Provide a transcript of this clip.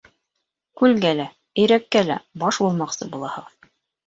— Күлгә лә, өйрәккә лә баш булмаҡсы булаһығыҙ.